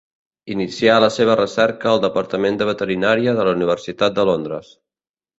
Inicià la seva recerca al departament de veterinària de la Universitat de Londres.